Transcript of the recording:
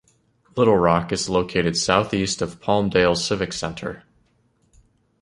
Littlerock is located southeast of Palmdale's Civic Center.